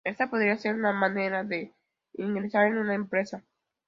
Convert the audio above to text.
Esta podría ser una manera de ingresar en una empresa.